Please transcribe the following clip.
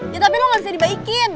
ya tapi emang gak bisa dibaikin